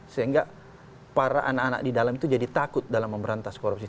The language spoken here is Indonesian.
sehingga para anak anak di dalam itu jadi takut dalam memberantas korupsi